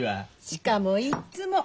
しかもいっつも。